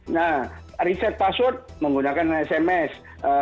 nah riset password menggunakan sms